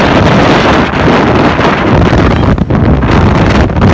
เมื่อเกิดขึ้นมันกลายเป้าหมายเป้าหมาย